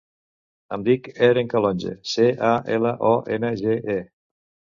Em dic Eren Calonge: ce, a, ela, o, ena, ge, e.